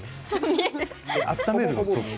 温めるの？